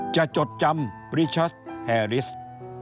จะจดจำบริชาติแฮลิสต์